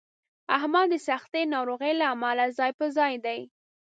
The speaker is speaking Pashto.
احمد د سختې ناروغۍ له امله ځای په ځای دی.